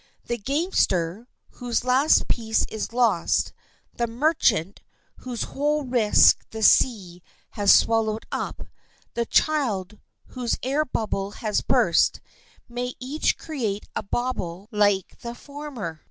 The gamester, whose last piece is lost; the merchant, whose whole risk the sea has swallowed up; the child, whose air bubble has burst—may each create a bauble like the former.